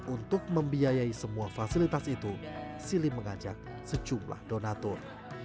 untuk membiayai semua fasilitas itu sili mengajak sejumlah donatur